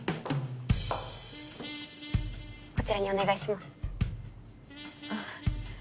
こちらにお願いします。